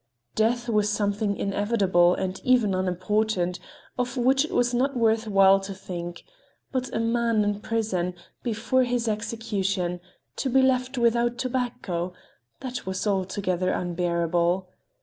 Death was something inevitable and even unimportant, of which it was not worth while to think; but for a man in prison, before his execution, to be left without tobacco—that was altogether unbearable.